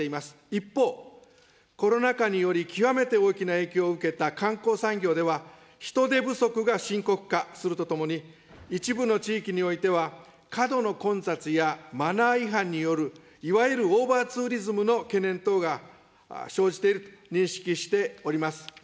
一方、コロナ禍により極めて大きな影響を受けた観光産業では、人手不足が深刻化するとともに、一部の地域においては、過度の混雑やマナー違反による、いわゆるオーバーツーリズムの懸念等が生じていると認識しております。